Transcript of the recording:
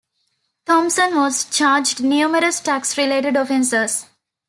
Thompson was charged numerous tax-related offenses.